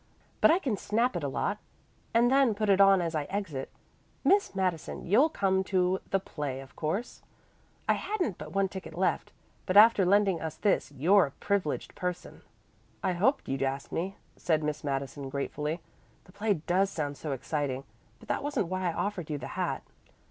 But I can snap it a lot, and then put it on as I exit. Miss Madison, you'll come to the play of course. I hadn't but one ticket left, but after lending us this you're a privileged person." "I hoped you'd ask me," said Miss Madison gratefully. "The play does sound so exciting. But that wasn't why I offered you the hat."